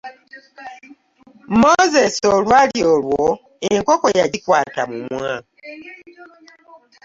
Moses olwali olwo enkoko yagikwata mumwa.